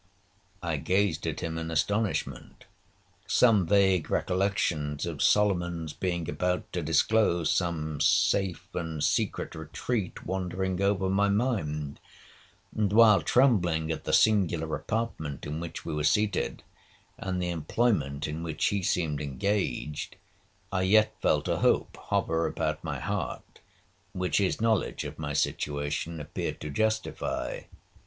'I gazed at him in astonishment. Some vague recollections of Solomon's being about to disclose some safe and secret retreat wandering over my mind; and, while trembling at the singular apartment in which we were seated, and the employment in which he seemed engaged, I yet felt a hope hover about my heart, which his knowledge of my situation appeared to justify.